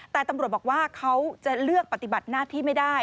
แต่ตำรวจบอกว่าเขาจะเลือกปฏิบัติหน้าที่ไม่ได้